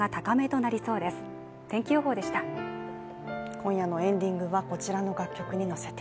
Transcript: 今夜のエンディングはこちらの楽曲にのせて。